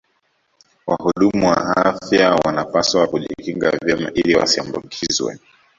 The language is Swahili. Wahudumu wa afya wanapaswa kujikinga vyema ili wasiambukizwe